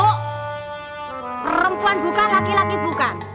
perempuan buka laki laki buka